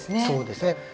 そうですね。